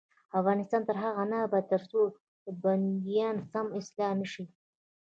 افغانستان تر هغو نه ابادیږي، ترڅو بندیان سم اصلاح نشي.